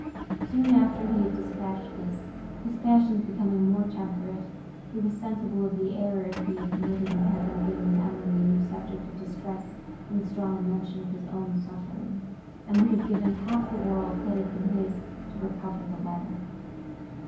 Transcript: Soon after he had dispatched this, his passions becoming more temperate, he was sensible of the error he had committed in having given Emily a new subject of distress in the strong mention of his own suffering, and would have given half the world, had it been his, to recover the letter.